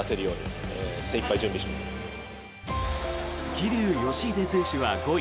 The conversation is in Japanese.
桐生祥秀選手は５位。